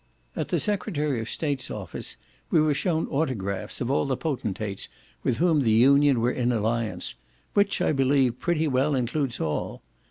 At the secretary of state's office we were shewn autographs of all the potentates with whom the Union were in alliance; which, I believe, pretty well includes all.